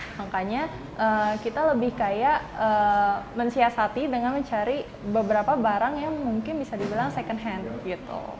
makanya kita lebih kayak mensiasati dengan mencari beberapa barang yang mungkin bisa dibilang second hand gitu